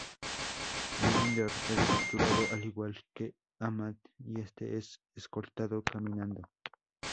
Mohinder es capturado, al igual que a Matt y este es escoltado caminando.